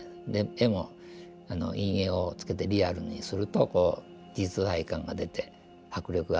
絵も陰影をつけてリアルにするとこう実在感が出て迫力が出るのかなと思いますですね。